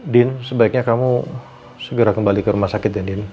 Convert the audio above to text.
din sebaiknya kamu segera kembali ke rumah sakit din